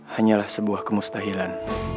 hanyalah sebuah kemustahilan